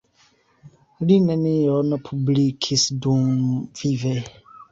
Li nenion publikis dumvive.